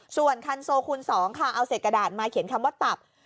ส่วนคันโซคูณ๒ค่ะเอาเศษกระดาษมาเขียนคำว่าตับ